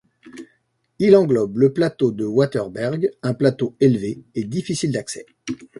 Il englobe le plateau de Waterberg, un plateau élevé et difficile d'accès.